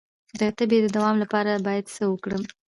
د تبې د دوام لپاره باید څه وکړم؟